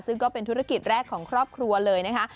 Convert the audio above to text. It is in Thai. ซึ่งก็เป็นธุรกิจแรกของครอบครัวเลยนะคะ